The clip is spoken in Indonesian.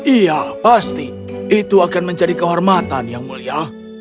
iya pasti itu akan menjadi kehormatan yang mulia